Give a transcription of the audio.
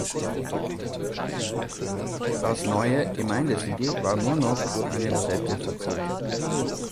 Das neue Gemeindesiegel war nur noch durch eine Rosette verziert.